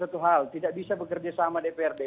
tidak bisa bekerja sama dprd